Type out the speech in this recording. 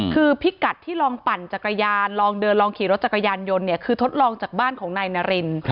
คือพิกัดที่ลองปั่นจักรยานลองเดินลองขี่รถจักรยานยนต์เนี่ยคือทดลองจากบ้านของนายนาริน